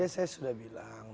ya saya sudah bilang